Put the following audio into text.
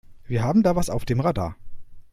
Wir haben da was auf dem Radar.